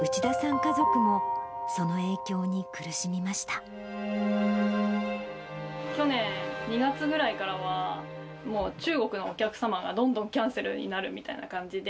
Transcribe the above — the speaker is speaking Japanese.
家族も、去年２月ぐらいからは、もう中国のお客様がどんどんキャンセルになるみたいな感じで。